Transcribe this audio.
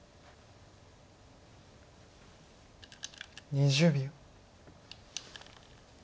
２０秒。